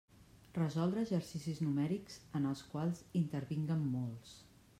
Resoldre exercicis numèrics en els quals intervinguen mols.